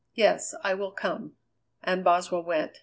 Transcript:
Yes, I will come." And Boswell went.